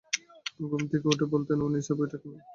ঘুম থেকে উঠেই বলতেন, ও নিসার, বইটা একটু দেখ তো।